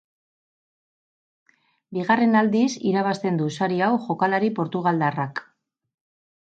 Bigarren aldiz irabazten du sari hau jokalari portugaldarrak.